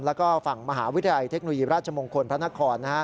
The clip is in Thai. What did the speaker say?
แล้วก็ฝั่งมหาวิทยาลัยเทคโนโลยีราชมงคลพระนคร